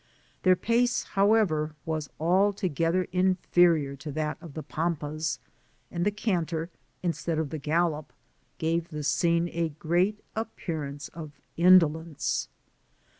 Thdr pace, however, was altogether inferior to that (^ the Pampas, and the canter, instead of the gallop, gave the scene a great appearance of indolence.